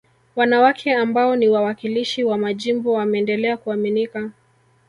Wanawake ambao ni wawakilishi wa majimbo wameendelea kuaminika